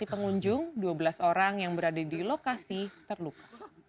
dari pengunjung dua belas orang yang berada di lokasi terluka